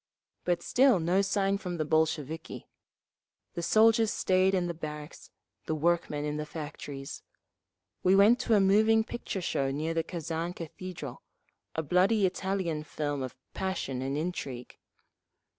But still no sign from the Bolsheviki; the soldiers stayed in the barracks, the workmen in the factories…. We went to a moving picture show near the Kazan Cathedral—a bloody Italian film of passion and intrigue.